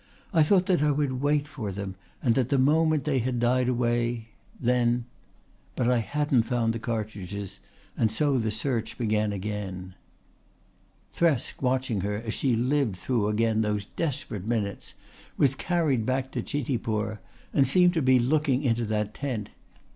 I thought that I would wait for them and the moment they had died away then. But I hadn't found the cartridges and so the search began again." Thresk, watching her as she lived through again those desperate minutes, was carried back to Chitipur and seemed to be looking into that tent.